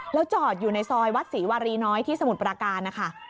แล้วจอดอยู่ในซอยวัดศรีวารีน้อยที่สมุทรปราการนะคะ